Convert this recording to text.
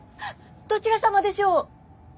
どちら様でしょう？